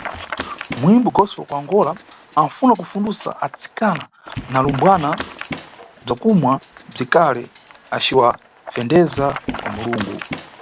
Muyimbi gospel wa kuAngola anfuna kufundusa atsikana na alumbwana mʼbzwakumwa bzwikali, aciwafendeza kwa Mulungu.